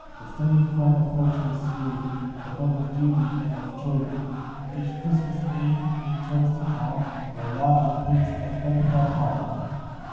The steady friend of virtuous youth, The friend of duty, and of truth, Each Christmas eve he joys to come Where love and peace have made their home.